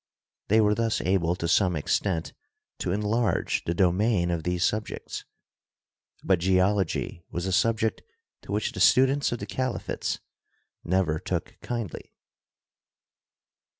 They were thus able to some extent to enlarge the domain of these subjects. But Geology was a subject to which the students of the Caliphates never took kindly.